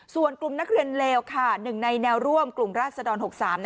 ส่วนกลุ่มนักเรียนเลวค่ะ๑ในแนวร่วมกลุ่มราชดร๖๓